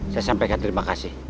saya sampaikan terima kasih